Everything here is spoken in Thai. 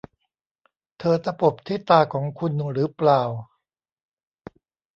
เธอตะปบที่ตาของคุณหรือเปล่า